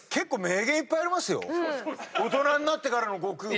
大人になってからの悟空も。